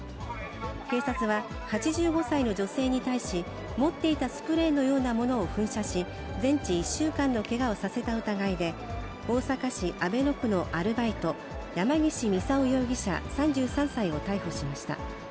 警察は、８５歳の女性に対し、持っていたスプレーのようなものを噴射し、全治１週間のけがをさせた疑いで、大阪市阿倍野区のアルバイト、山岸操容疑者３３歳を逮捕しました。